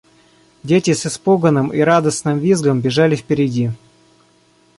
Дети с испуганным и радостным визгом бежали впереди.